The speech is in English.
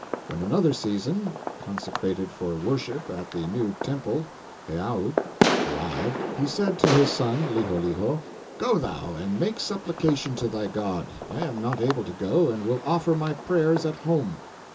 When another season, consecrated for worship at the new temple (heiau) arrived, he said to his son, Liholiho, 'Go thou and make supplication to thy god; I am not able to go, and will offer my prayers at home.